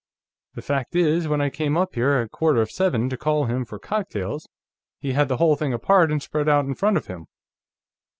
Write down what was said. The fact is, when I came up here at quarter of seven, to call him for cocktails, he had the whole thing apart and spread out in front of him."